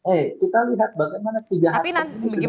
eh kita lihat bagaimana tiga hal itu bisa berhasil